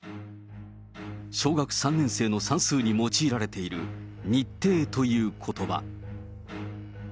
小学３年生の算数に用いられている、日帝ということば。